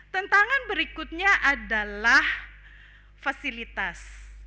tentangan berikutnya adalah fasilitas